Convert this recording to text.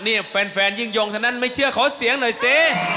นี่แฟนยิ่งยงเท่านั้นไม่เชื่อขอเสียงหน่อยสิ